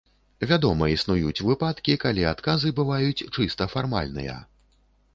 Вядома, існуюць выпадкі, калі адказы бываюць чыста фармальныя.